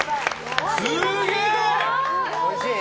すげえ！